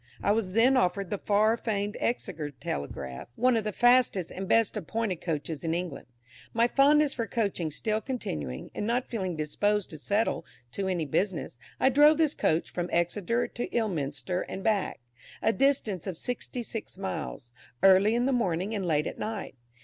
I was then offered the far famed Exeter "Telegraph," one of the fastest and best appointed coaches in England. My fondness for coaching still continuing, and not feeling disposed to settle to any business, I drove this coach from Exeter to Ilminster and back, a distance of sixty six miles, early in the morning and late at night.